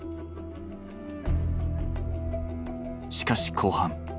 しかし後半。